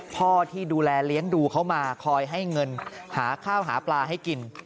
พ่อที่ดูแลเลี้ยงดูเขามาคอยให้เงินหาข้าวหาปลาให้กิน